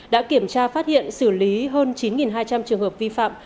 đã kiểm tra phát hiện xử lý hơn chín hai trăm linh trường hợp vi phạm